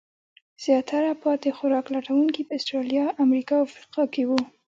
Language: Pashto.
زیاتره پاتې خوراک لټونکي په استرالیا، امریکا او افریقا کې وو.